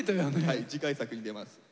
はい次回作に出ます。